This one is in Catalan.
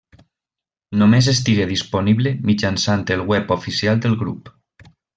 Només estigué disponible mitjançant el web oficial del grup.